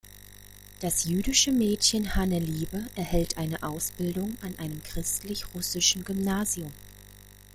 Das jüdische Mädchen Hanne-Liebe erhält eine Ausbildung an einem christlich-russischen Gymnasium.